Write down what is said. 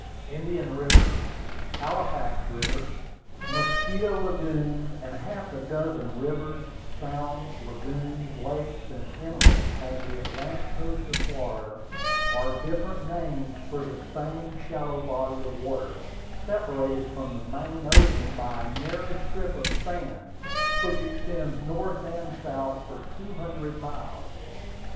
Indian River, Halifax River, Mosquito Lagoon, and half a dozen rivers, sounds, lagoons, lakes, and inlets on the Atlantic coast of Florida, are different names for the same shallow body of water, separated from the main ocean by a narrow strip of sand, which extends north and south for two hundred miles.